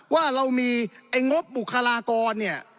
ว่าเรามีไอ้งบบุคลากรเนี่ย